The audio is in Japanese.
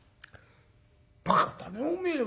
バカだねおめえは。